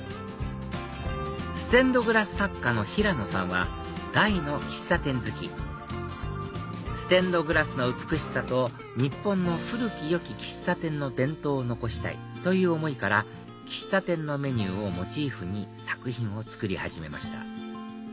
ステンドグラス作家のひらのさんは大の喫茶店好きステンドグラスの美しさと日本の古きよき喫茶店の伝統を残したいという思いから喫茶店のメニューをモチーフに作品を作り始めました